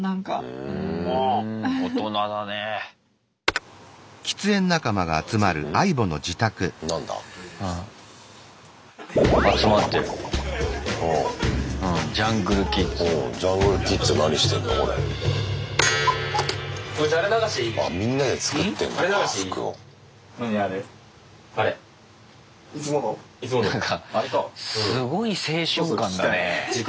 なんかすごい青春感だね。